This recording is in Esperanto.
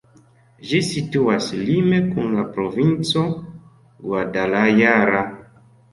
Ĝi situas lime kun la provinco Guadalajara.